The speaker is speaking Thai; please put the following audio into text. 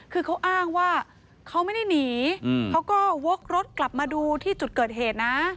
คือเขาอ้างว่าเขาไม่ได้หนีเขาก็วกรถกลับมาดูที่จุดเกิดเหตุนะ